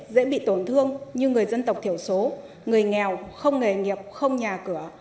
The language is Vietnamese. dễ bị tổn thương như người dân tộc thiểu số người nghèo không nghề nghiệp không nhà cửa